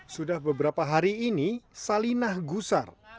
sudah beberapa hari ini salinah gusar